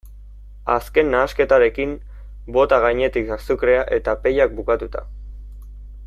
Azken nahasketarekin, bota gainetik azukrea eta pellak bukatuta.